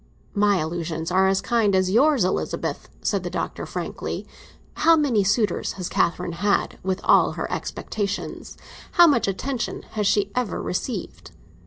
"My allusions are as kind as yours, Elizabeth," said the Doctor frankly. "How many suitors has Catherine had, with all her expectations—how much attention has she ever received?